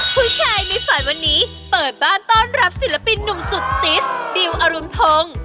ผู้ชายในฝันวันนี้เปิดบ้านต้อนรับศิลปินหนุ่มสุดติสดิวอรุณพงศ์